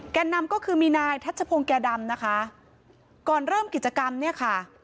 แก่นำก็คือมีนายทัชพงศ์แก่ดำนะคะก่อนเริ่มกิจกรรมเนี่ยค่ะ